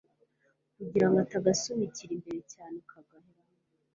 kugirango atagasunikiramo imbere cyanekagaheramo